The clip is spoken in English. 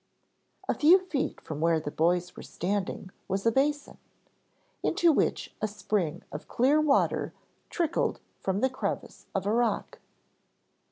A few feet from where the boys were standing was a basin, into which a spring of clear water trickled from the crevice of a rock.